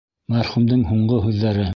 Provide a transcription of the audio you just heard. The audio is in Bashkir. Мәрхүмдең һуңғы һүҙҙәре...